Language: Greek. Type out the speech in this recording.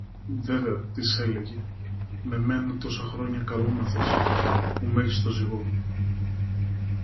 Βέβαια, της έλεγε, με μένα τόσα χρόνια καλόμαθες, που μ' έχεις στο ζυγό